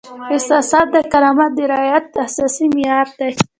احساسات د کرامت د رعایت اساسي معیار دی.